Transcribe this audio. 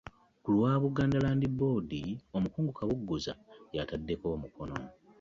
Ku lwa Buganda Land Board, Omukungu Kaboggoza y'ataddeko omukono